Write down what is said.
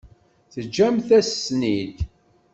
Teǧǧamt-as-ten-id.